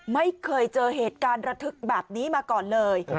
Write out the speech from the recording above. ไม่เคยเจอเหตุการณ์ระทึกแบบนี้มาก่อนเลย